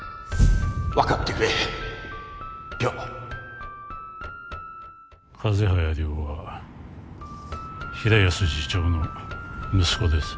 わかってくれ涼・風早涼は平安次長の息子です・